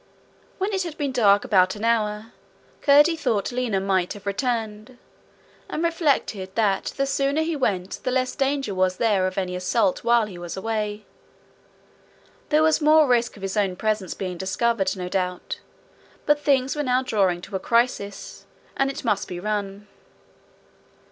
When it had been dark about an hour, Curdie thought Lina might have returned; and reflected that the sooner he went the less danger was there of any assault while he was away. There was more risk of his own presence being discovered, no doubt, but things were now drawing to a crisis, and it must be run.